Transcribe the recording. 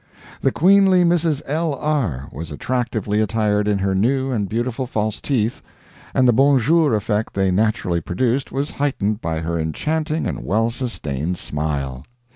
The queenly Mrs. L. R. was attractively attired in her new and beautiful false teeth, and the 'bon jour' effect they naturally produced was heightened by her enchanting and well sustained smile.